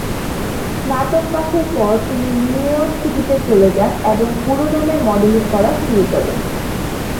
স্নাতক পাশের পর তিনি নিউ ইয়র্ক সিটিতে চলে যান, এবং পুরোদমে মডেলিং করা শুরু করেন।